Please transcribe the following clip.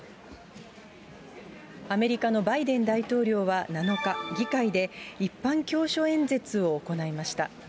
アメリカのバイデン大統領は７日、議会で一般教書演説を行いました。